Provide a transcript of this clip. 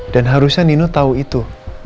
dan harusnya nino tau itu